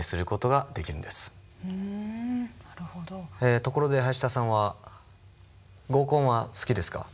ところで林田さんは合コンは好きですか？